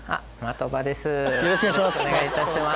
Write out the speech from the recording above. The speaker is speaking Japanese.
よろしくお願いします。